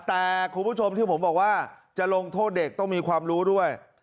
แต่คุณผู้ชมที่ผมบอกว่าจะลงโทษเด็กต้องมีความรู้ด้วย